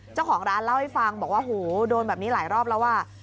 เจ้าของร้านเล่าให้ฟังบอกว่าโหโดนแบบนี้หลายรอบแล้วอ่ะ